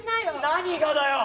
何がだよ！